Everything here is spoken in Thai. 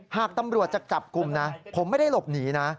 หากตำรวจจะจับกลุ่มนะผมไม่ได้หลบหนีนะ